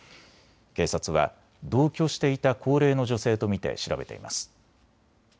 警察は同居していた高齢の女性と見て調べています。